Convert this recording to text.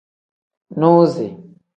Nuzi.